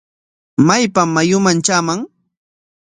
¿Maypam mayuman traaman?